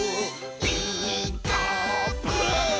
「ピーカーブ！」